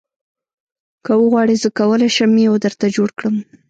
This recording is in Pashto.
که وغواړې زه کولی شم یو درته جوړ کړم